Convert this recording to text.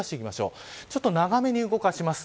ちょっと長めに動かします。